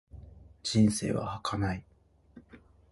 人生は儚い。